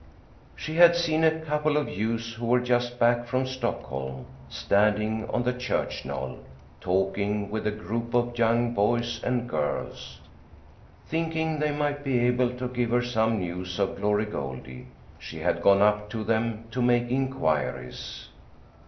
She had seen a couple of youths who were just back from Stockholm standing on the church knoll talking with a group of young boys and girls. Thinking they might be able to give her some news of Glory Goldie, she had gone up to them to make inquiries.